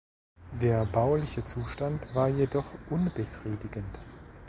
Der bauliche Zustand war jedoch unbefriedigend.